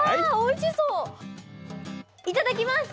いただきます。